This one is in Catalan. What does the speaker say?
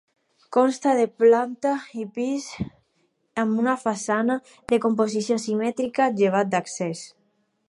Consta de planta i pis, amb una façana de composició simètrica, llevat de l'accés.